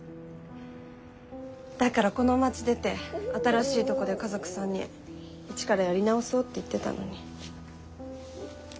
だからこの街出て新しいとこで家族３人一からやり直そうって言ってたのに。